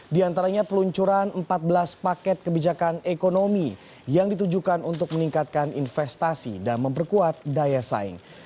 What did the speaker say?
di antaranya peluncuran empat belas paket kebijakan ekonomi yang ditujukan untuk meningkatkan investasi dan memperkuat daya saing